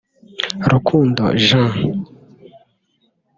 Rukundo Jean